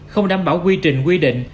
không đảm bảo quy trình quy định